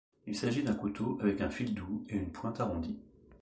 Il s’agit d’un couteau avec un fil doux et une pointe arrondie.